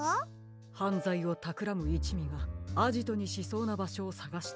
はんざいをたくらむいちみがアジトにしそうなばしょをさがしているのですが。